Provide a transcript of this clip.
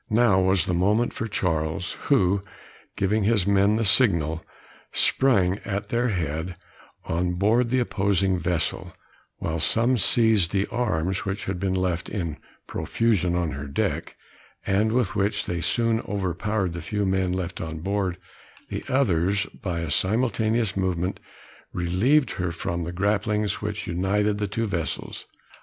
Now was the moment for Charles, who, giving his men the signal, sprang at their head on board the opposing vessel, while some seized the arms which had been left in profusion on her deck, and with which they soon overpowered the few men left on board; the others, by a simultaneous movement, relieved her from the grapplings which united the two vessels.